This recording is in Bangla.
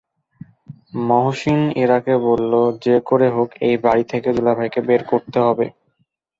মহসিন ইরাকে বলল, যে করে হোক এই বাড়ি থেকে দুলাভাইকে বের করতে হবে।